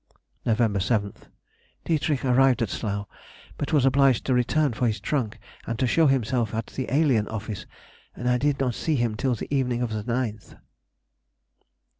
Nov. 7th.—D. arrived at Slough, but was obliged to return for his trunk and to show himself at the alien office, and I did not see him till the evening of the 9th.